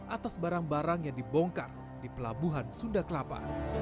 atas barang barang yang dibongkar di pelabuhan sunda kelapa